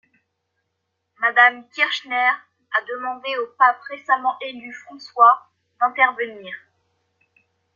Madame Kirchner a demandé au pape récemment élu, François, d'intervenir.